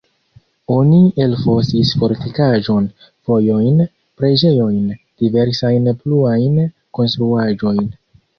Oni elfosis fortikaĵon, vojojn, preĝejojn, diversajn pluajn konstruaĵojn.